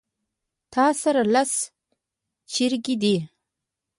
تاسره لس چرګې دي